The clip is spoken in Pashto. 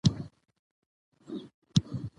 په دې کې دی، چې